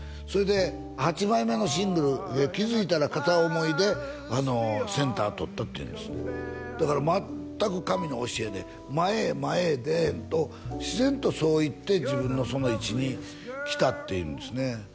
それで８枚目のシングル「気づいたら片想い」でセンター取ったっていうんですだから全くかみの教えで前へ前へ出んと自然とそういって自分のその位置に来たっていうんですね